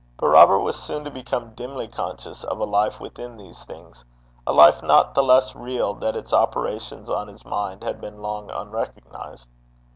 But Robert was soon to become dimly conscious of a life within these things a life not the less real that its operations on his mind had been long unrecognized.